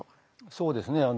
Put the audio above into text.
そうですね。